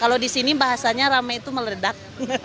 kalau di sini bahasanya rame itu meledak